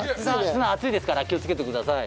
砂熱いですから気をつけてください。